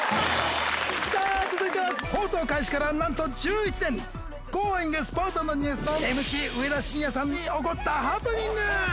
・さぁ続いては放送開始からなんと１１年『Ｇｏｉｎｇ！Ｓｐｏｒｔｓ＆Ｎｅｗｓ』のＭＣ上田晋也さんに起こったハプニング。